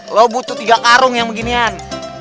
lo butuh tiga karung yang beginian